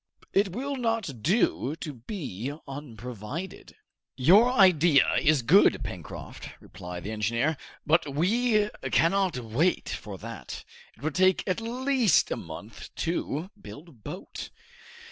It will not do to be unprovided." "Your idea is good, Pencroft," replied the engineer, "but we cannot wait for that. It would take at least a month to build a boat."